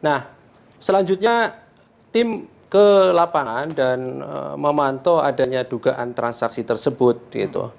nah selanjutnya tim ke lapangan dan memantau adanya dugaan transaksi tersebut gitu